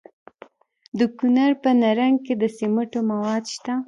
د کونړ په نرنګ کې د سمنټو مواد شته.